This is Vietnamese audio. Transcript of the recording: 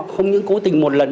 không những cố tình một lần